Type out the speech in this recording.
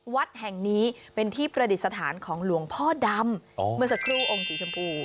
วัดแห่งนี้เป็นที่ประดิษฐานของหลวงพ่อดำเมื่อสักครู่องค์สีชมพู